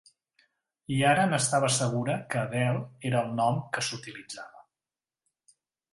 I ara n'estava segura que Adele era el nom que s'utilitzava.